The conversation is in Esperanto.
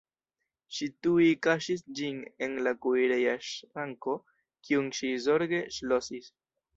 Ŝi tuj kaŝis ĝin en la kuireja ŝranko, kiun ŝi zorge ŝlosis.